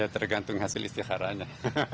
ya tergantung hasil istiqaranya